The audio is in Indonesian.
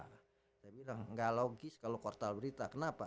saya bilang gak logis kalau portal berita kenapa